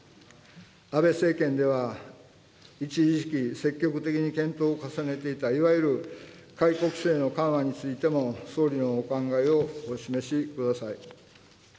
安倍政権では、一時期、積極的に検討を重ねていた、いわゆる解雇規制の緩和についても、総理のお考えをお示しください。